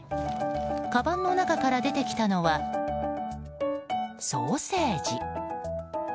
かばんの中から出てきたのはソーセージ。